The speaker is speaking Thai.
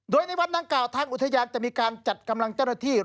โดยในวันดังกล่าวทางอุทยานจะมีการจัดกำลังเจ้าหน้าที่